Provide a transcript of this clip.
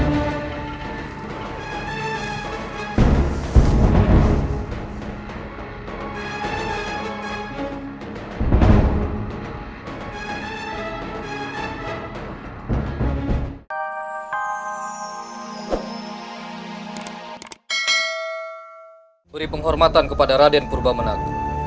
beri penghormatan kepada raden purba menak